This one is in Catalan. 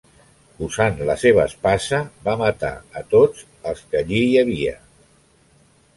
Usant la seva espasa, va matar a tots els que allí hi havia.